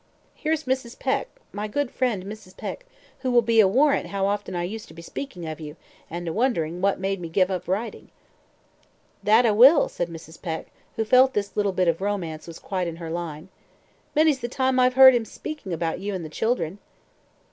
"Here's Mrs. Peck my good friend, Mrs. Peck who will be a warrant how often I used to be a speaking of you, and a wondering what made me give up writing." "That I will," said Mrs. Peck, who felt this little bit of romance was quite in her line. "Many's the time I've heard him speaking about you and the children."